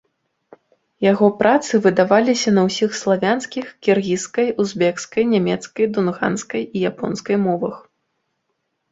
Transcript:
Яго працы выдаваліся на ўсіх славянскіх, кіргізскай, узбекскай, нямецкай, дунганскай і японскай мовах.